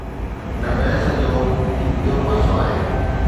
هن بحث جو هڪ ٻيو پاسو آهي.